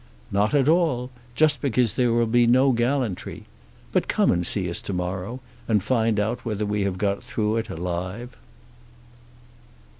"Not at all; just because there will be no gallantry. But come and see us to morrow and find out whether we have got through it alive."